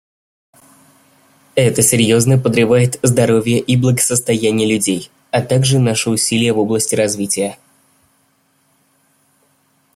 Это серьезно подрывает здоровье и благосостояние людей, а также наши усилия в области развития.